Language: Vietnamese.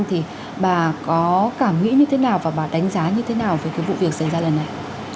thì bà có cảm nghĩ như thế nào và bà đánh giá như thế nào về cái vụ việc xảy ra lần này